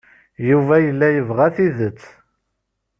Yuba yella yebɣa tidet.